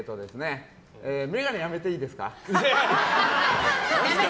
眼鏡、やめていいですか？